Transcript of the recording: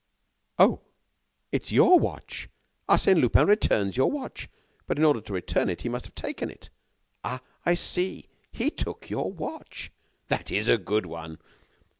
"Oh! it is your watch! Arsène Lupin returns your watch! But, in order to return it, he must have taken it. Ah! I see! He took your watch! That is a good one!